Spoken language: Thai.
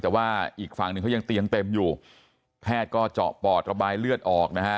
แต่ว่าอีกฝั่งหนึ่งเขายังเตียงเต็มอยู่แพทย์ก็เจาะปอดระบายเลือดออกนะฮะ